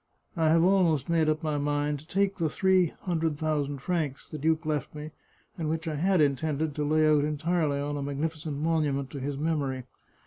I have almost made up my mind to take the three hundred thousand francs the duke left me, and which I had intended to lay out entirely on a magnificent monument to his memory.